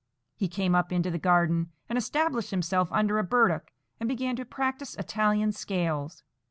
He came up into the garden, and established himself under a burdock, and began to practise Italian scales.